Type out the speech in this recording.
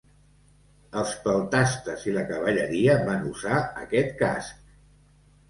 Els peltastes i la cavalleria van usar aquest casc.